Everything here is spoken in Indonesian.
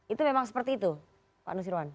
itu memang seperti itu pak nusirwan